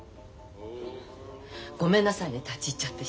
ごめんなさいね立ち入っちゃって。